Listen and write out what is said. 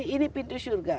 ini pintu surga